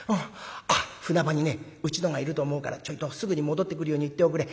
あっ船場にねうちのがいると思うからちょいとすぐに戻ってくるように言っておくれ。